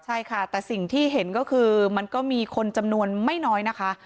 ใช่ค่ะแต่สิ่งที่เห็นก็คือมันก็มีคนจำนวนไม่น้อยนะคะ